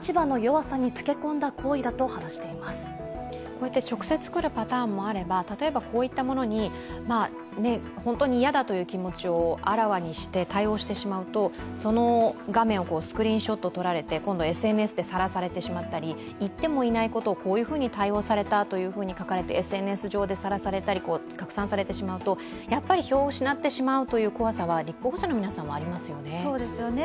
こういった直接来るパターンもあればこういったものに、本当に嫌だという気持ちをあらわにして対応してしまうと、その画面をスクリーンショット撮られて今度はＳＮＳでさらされてしまったり言ってもいないことをこういうふうに対応されたというふうに書かれてＳＮＳ上でさらされたり、たくさんされてしまうと、やっぱり票を失ってしまうという怖さは立候補者の皆さんはありますよね。